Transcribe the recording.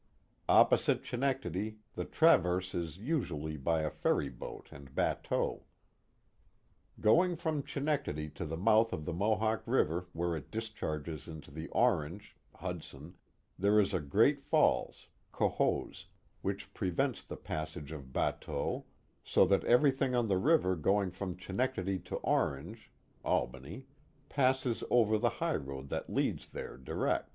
Opposite Chenectadi the traverse is usually by a ferry boat and bateaux. Going from Chenectadi to the mouth of the Mohawk River where it discharges into the Orange (Hudson), there is a Great Fall (Cohoes), which prevents the passage of bateaux^ so that everything on the river going from Chenectadi to Orange (Albany) passes over the highroad that leads there direct.